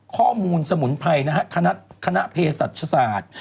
ข้อมูลสมุนไพรนะฮะคณะเพศศาสตร์